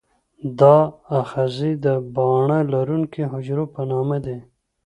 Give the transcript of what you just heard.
دا آخذې د باڼه لرونکي حجرو په نامه دي.